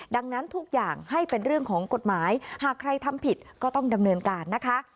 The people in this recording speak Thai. ดังนั้นทุกอย่างให้เป็นเรื่องของกฎหมายหากใครทำผิดก็ต้องดำเนินการนะคะ